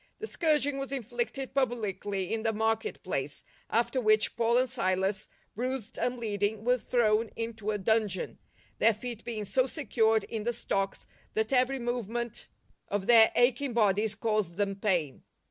The scourging was inflicted publicly in the market place, after which Paul and Silas, bruised and bleeding, were thrown into a dungeon, their feet being so secured in the stocks that every movement of their aching bodies caused them pain.